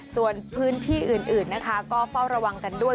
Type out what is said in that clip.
ส่วนพื้นที่อื่นนะคะก็เฝ้าระวังกันด้วย